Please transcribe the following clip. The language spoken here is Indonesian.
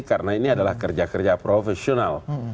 karena ini adalah kerja kerja profesional